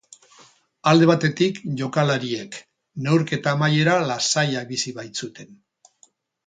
Alde batetik jokalariek, neurketa amaiera lasaia bizi baitzuten.